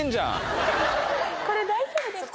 これ大丈夫ですか？